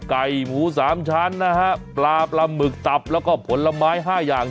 ไก่หมูสามชั้นนะฮะปลาปลาหมึกตับแล้วก็ผลไม้๕อย่าง